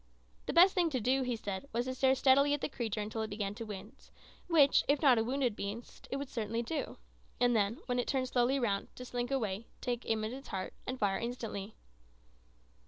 The best thing to do, he said, was to stare steadily at the creature until it began to wince, which, if not a wounded beast, it would certainly do; and then, when it turned slowly round, to slink away, take aim at its heart, and fire instantly.